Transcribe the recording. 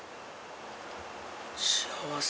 幸せ。